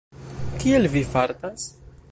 Kiel vi fartas?